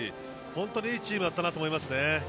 本当にいいチームだったなと思いますね。